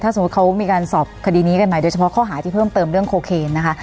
สมมุติเขามีการสอบคดีนี้กันใหม่โดยเฉพาะข้อหาที่เพิ่มเติมเรื่องโคเคนนะคะ